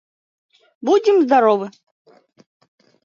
Будьым здоровы!